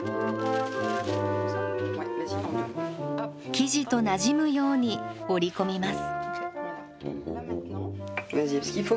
生地となじむように折り込みます。